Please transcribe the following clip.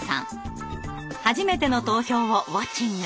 初めての投票をウォッチング。